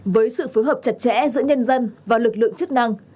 với sự phối hợp chặt chẽ giữa nhân dân và lực lượng chức năng